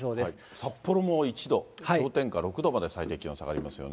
札幌も１度、氷点下６度まで最低気温、下がりますよね。